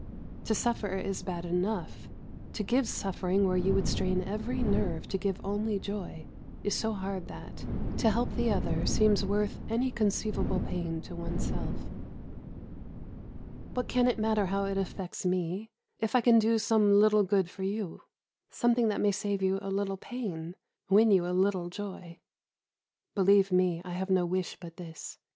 To suffer is bad enough; to give suffering where you would strain every nerve to give only joy is so hard that, to help the other, seems worth any conceivable pain to oneself. What can it matter how it affects me, if I can do some little good for you; something that may save you a little pain, win you a little joy? Believe me, I have no wish but this.